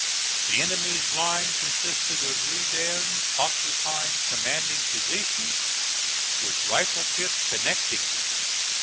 The enemy's line consisted of redans occupying commanding positions, with rifle pits connecting them.